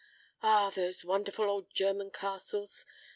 ... Ah, those wonderful old German castles!